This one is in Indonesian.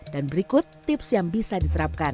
dan berikut tips yang bisa diterapkan